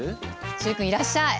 習君いらっしゃい！